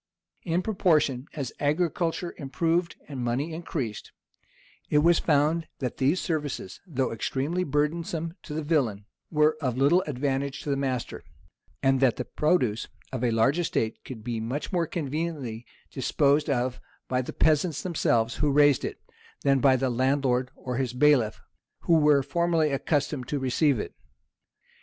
In proportion as agriculture improved and money increased, it was found that these services, though extremely burdensome to the villain, were of little advantage to the master; and that the produce of a large estate could be much more conveniently disposed of by the peasants themselves, who raised it, than by the landlord or his bailiff, who were formerly accustomed to receive it.